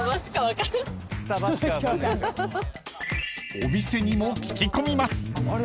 ［お店にも聞き込みます］